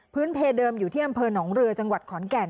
เพเดิมอยู่ที่อำเภอหนองเรือจังหวัดขอนแก่น